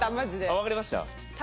わかりました？